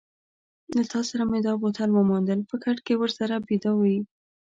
له تا سره مې دا بوتل وموندل، په کټ کې ورسره بیده وې.